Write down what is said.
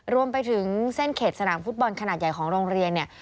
รวมไปถึงเส้นเขตสนามฟุตบอลขนาดใหญ่ของโรงเรียนเนี่ย